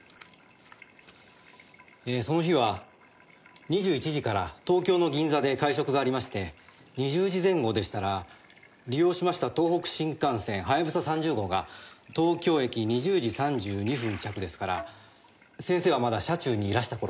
えその日は２１時から東京の銀座で会食がありまして２０時前後でしたら利用しました東北新幹線はやぶさ３０号が東京駅２０時３２分着ですから先生はまだ車中にいらした頃かと。